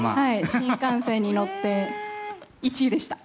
新幹線に乗って、１位でした！